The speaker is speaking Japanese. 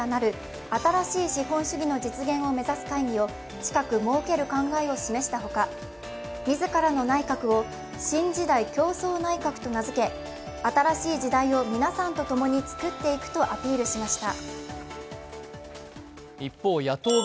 近く設ける考えを示した他、自らの内閣を新時代共創内閣と名づけ新しい時代を皆さんと共に作っていくとアピールしました。